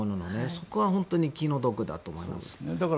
そこは本当に気の毒だと思います。